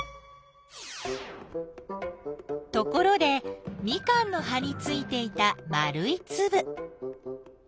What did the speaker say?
ところでミカンの葉についていた丸いつぶ。